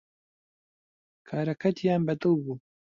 کارەکەتیان بەدڵ بوو